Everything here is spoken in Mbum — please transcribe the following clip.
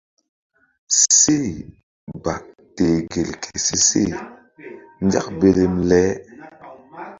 Seh ba teh gel ke se she nzak belem le.